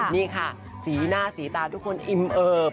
นี่ค่ะสีหน้าสีตาทุกคนอิ่มเอิบ